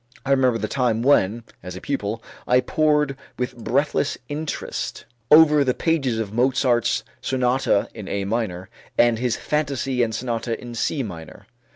I remember the time when, as a pupil, I pored with breathless interest over the pages of Mozart's "Sonata in A Minor" and his "Fantasy and Sonata in C Minor."